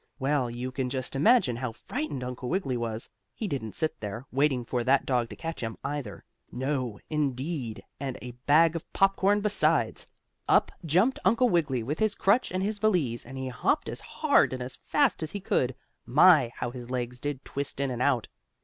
Well, you can just imagine how frightened Uncle Wiggily was. He didn't sit there, waiting for that dog to catch him, either. No, indeed, and a bag of popcorn besides! Up jumped Uncle Wiggily, with his crutch and his valise, and he hopped as hard and as fast as he could run. My! How his legs did twist in and out.